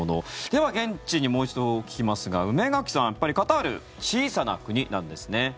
では、現地にもう一度聞きますが梅垣さんカタール、小さな国なんですね。